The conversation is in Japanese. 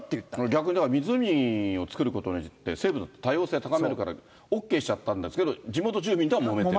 逆にだから、湖を造ることによって、生物の多様性を高めるからＯＫしちゃったんだけど、地元住民とはもめてる。